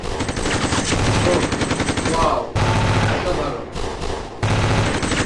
ওহ, wow, অসাধারণ।